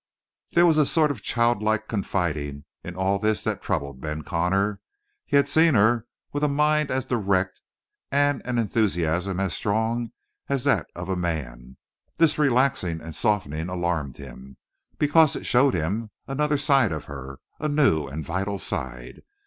There was a sort of childlike confiding in all this that troubled Ben Connor. He had seen her with a mind as direct and an enthusiasm as strong as that of a man. This relaxing and softening alarmed him, because it showed him another side of her, a new and vital side.